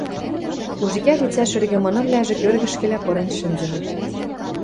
Кужикӓ лицӓ шӹргӹмынывлӓжӹ кӧргӹшкӹлӓ пырен шӹнзӹнӹт.